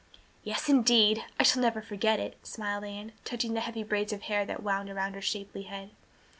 "Yes, indeed. I shall never forget it," smiled Anne, touching the heavy braid of hair that was wound about her shapely head.